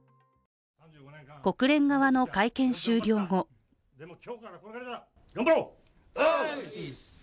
国連側の会見終了後頑張ろう！